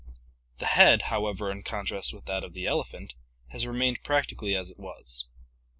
The head, however, in contrast with that of the elephant, has remained prac tically as it was.